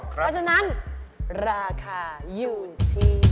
เพราะฉะนั้นราคาอยู่ที่